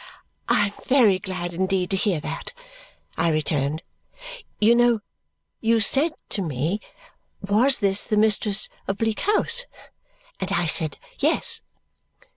"I am very glad indeed to hear that," I returned. "You know, you said to me, was this the mistress of Bleak House. And I said, yes."